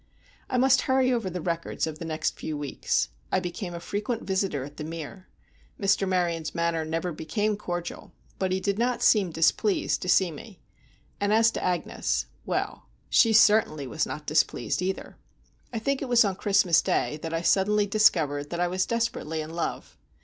I must hurry over the records of the next few weeks. I became a frequent visitor at The Mere. Mr. Maryon's manner never became cordial, but he did not seem displeased to see me; and as to Agnes,—well, she certainly was not displeased either. I think it was on Christmas Day that I suddenly discovered that I was desperately in love.